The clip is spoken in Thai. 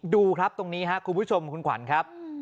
ดูครับตรงนี้ครับคุณผู้ชมคุณขวัญครับ